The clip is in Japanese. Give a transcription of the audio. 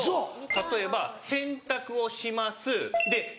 例えば洗濯をしますで３歩。